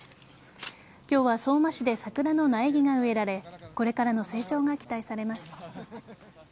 今日は相馬市で桜の苗木が植えられこれからの成長が期待されます。